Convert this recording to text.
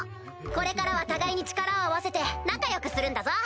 これからは互いに力を合わせて仲良くするんだぞ！